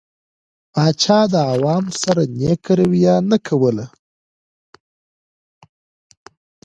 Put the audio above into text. پاچا د عوامو سره نيکه رويه نه کوله.